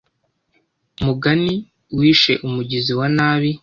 Mugani wishe umugizi wa nabi